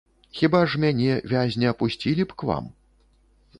Хіба ж мяне, вязня, пусцілі б к вам?